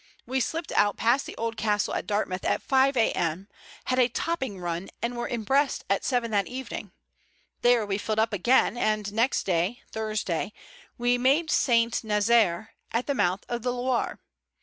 We slipped out past the old castle at Dartmouth at 5 a.m., had a topping run, and were in Brest at seven that evening. There we filled up again, and next day, Thursday, we made St. Nazaire, at the mouth of the Loire.